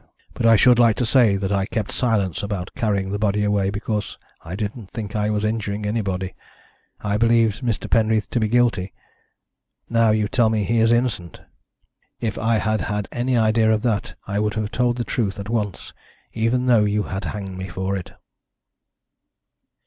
But I should like to say that I kept silence about carrying the body away because I didn't think I was injuring anybody. I believed Mr. Penreath to be guilty. Now you tell me he is innocent. If I had had any idea of that I would have told the truth at once, even though you had hanged me for it."